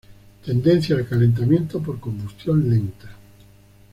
Tendencia al calentamiento por combustión lenta.